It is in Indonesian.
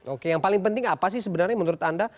oke yang paling penting apa sih sebenarnya menurut anda